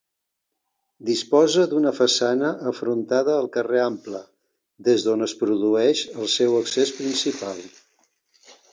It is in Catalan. Disposa d'una façana afrontada al Carrer Ample, des d'on es produeix el seu accés principal.